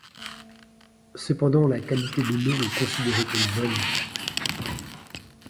Cependant la qualité de l'eau est considérée comme bonne.